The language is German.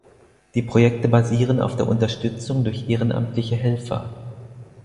Die Projekte basieren auf der Unterstützung durch ehrenamtliche Helfer.